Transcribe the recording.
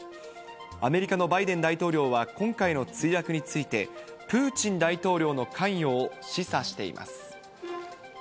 アメリカのバイデン大統領は今回の墜落について、プーチン大統領の関与を示唆しています。